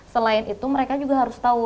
selain itu mereka juga harus tahu